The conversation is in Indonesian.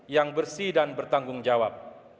yang bersih dan bertanggung jawab